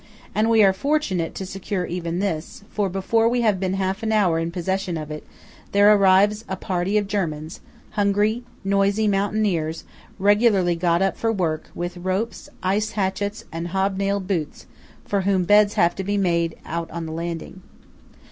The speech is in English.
And we are fortunate to secure even this; for before we have been half an hour in possession of it, there arrives a party of Germans–hungry, noisy mountaineers, regularly got up for work, with ropes, ice hatchets, and hob nailed boots–for whom beds have to be made on the landing.